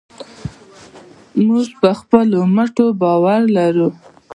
موږ په خپلو مټو باور لرو.